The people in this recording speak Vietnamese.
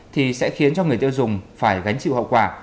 thì sẽ khiến cho người tiêu dùng phải gánh chịu hậu quả